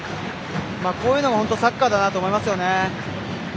こういうのが本当にサッカーだなと思いますよね。